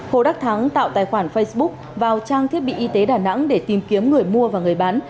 hồ đắc thắng tạo tài khoản facebook vào trang thiết bị y tế đà nẵng để tìm kiếm người mua và người bán